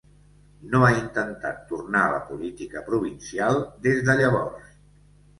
No ha intentat tornar a la política provincial des de llavors.